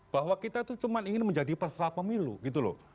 bahwa kita itu cuma ingin menjadi perselat pemilu